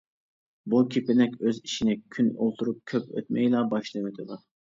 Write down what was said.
بۇ كېپىنەك ئۆز ئىشىنى كۈن ئولتۇرۇپ كۆپ ئۆتمەيلا باشلىۋېتىدۇ.